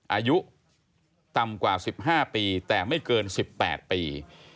อายุต่ำกว่า๑๕ปีแต่ไม่เกิน๑๘ปี